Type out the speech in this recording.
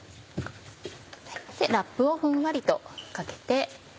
ラップをふんわりとかけて。